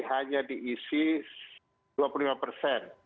hanya diisi dua puluh lima persen